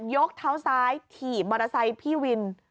ยกเท้าซ้ายถีบมอเตอร์ไซค์พี่วิน